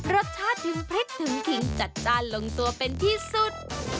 รสชาติถึงพริกถึงขิงจัดจ้านลงตัวเป็นที่สุด